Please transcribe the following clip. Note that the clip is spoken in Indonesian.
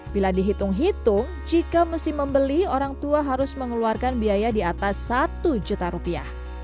bila dihitung hitung jika mesti membeli orang tua harus mengeluarkan biaya di atas satu juta rupiah